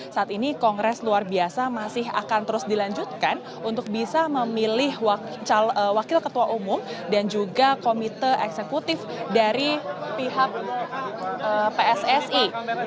saat ini kongres luar biasa masih akan terus dilanjutkan untuk bisa memilih wakil ketua umum dan juga komite eksekutif dari pihak pssi